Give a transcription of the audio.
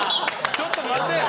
ちょっと待て！